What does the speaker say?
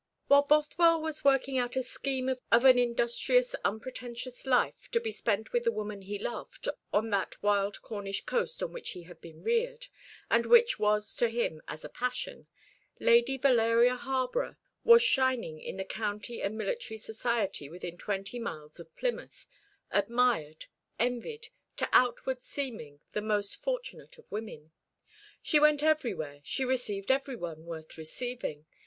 While Bothwell was working out the scheme of an industrious unpretentious life, to be spent with the woman he loved on that wild Cornish coast on which he had been reared, and which was to him as a passion, Lady Valeria Harborough was shining in the county and military society within twenty miles of Plymouth admired, envied, to outward seeming the most fortunate of women. She went everywhere, she received every one worth receiving.